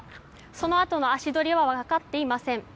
そのあとの足取りは分かってません。